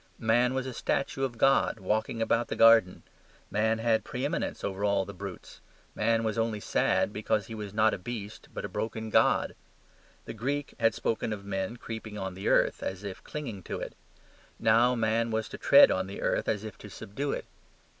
Man was a statue of God walking about the garden. Man had pre eminence over all the brutes; man was only sad because he was not a beast, but a broken god. The Greek had spoken of men creeping on the earth, as if clinging to it. Now Man was to tread on the earth as if to subdue it.